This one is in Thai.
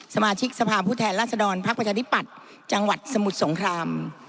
สมาชิกสภาพผู้แทนราษฎรพักประชาธิปัตย์จังหวัดสมุทรสงคราม